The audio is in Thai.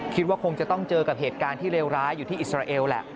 คิดว่าคงจะต้องเจอกับเหตุการณ์ที่เลวร้ายอยู่ที่อิสราเอลแหละ